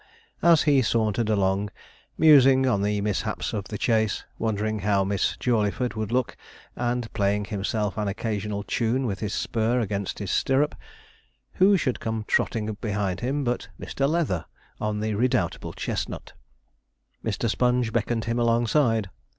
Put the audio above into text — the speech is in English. As he sauntered along, musing on the mishaps of the chase, wondering how Miss Jawleyford would look, and playing himself an occasional tune with his spur against his stirrup, who should come trotting behind him but Mr. Leather on the redoubtable chestnut? Mr. Sponge beckoned him alongside.